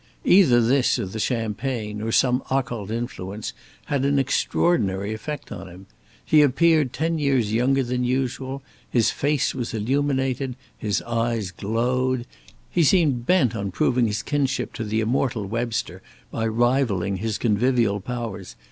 Either this, or the champagne, or some occult influence, had an extraordinary effect upon him. He appeared ten years younger than usual; his face was illuminated; his eyes glowed; he seemed bent on proving his kinship to the immortal Webster by rivalling his convivial powers.